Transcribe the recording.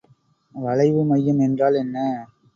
வளைவு மையம் என்றால் என்ன?